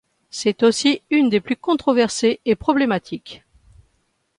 C'est aussi une des plus controversées et problématiques.